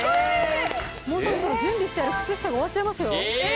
もうそろそろ準備してある靴下が終わっちゃいますよええー！